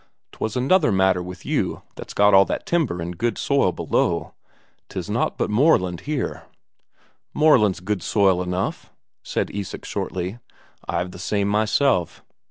'Twas another matter with you that's got all that timber and good soil below. 'Tis naught but moorland here." "Moorland's good soil enough," said Isak shortly. "I've the same myself."